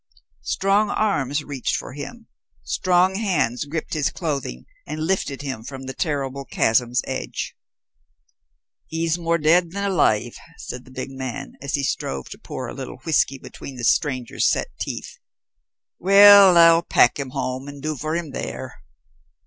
Strong arms reached for him. Strong hands gripped his clothing and lifted him from the terrible chasm's edge. "He's more dead than alive," said the big man, as he strove to pour a little whisky between the stranger's set teeth. "Well, I'll pack him home and do for him there."